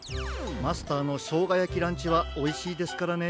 マスターのしょうがやきランチはおいしいですからね。